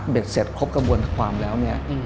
เสร็จครบกระบวนความแล้วเนี่ย